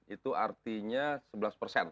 itu artinya sebelas persen